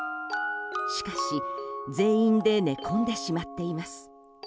しかし、全員で寝込んでしまっています。